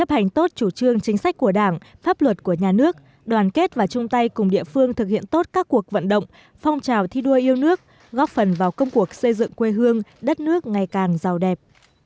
hành tốt chủ trương chính sách của đảng pháp luật của nhà nước đoàn kết và chung tay cùng địa phương thực hiện tốt các cuộc vận động phong trào thi đua yêu nước góp phần vào công cuộc xây dựng quê hương đất nước ngày càng giàu đẹp